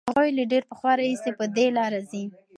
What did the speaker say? هغوی له ډېر پخوا راهیسې په دې لاره ځي.